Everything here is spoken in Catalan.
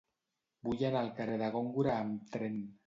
Vull anar al carrer de Góngora amb tren.